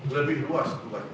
lebih luas itu